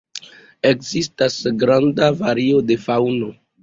Ekzistas granda vario de faŭno.